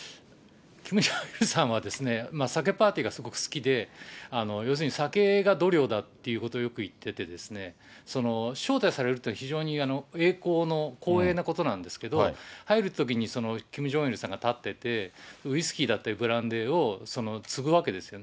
キム・ジョンイルさんは、酒パーティーがすごく好きで、要するに酒が度量だということをよく言ってて、招待されるって、非常に栄光の、光栄なことなんですけど、入るときに、キム・ジョンイルさんが立ってて、ウイスキーだったり、ブランデーをつぐわけですよね。